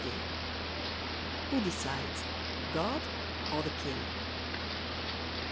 XLIX WHO DECIDES, GOD OR THE KING?